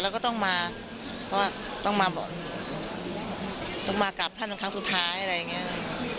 เราก็ต้องมากับท่านครั้งสุดท้ายอะไรอย่างเงี้ย